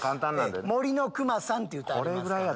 『森のくまさん』っていう歌ありますから。